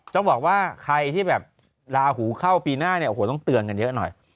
ต้องบอกว่าใครที่แบบลาหูเข้าปีหน้าเนี่ยโอ้โหต้องเตือนกันเยอะหน่อย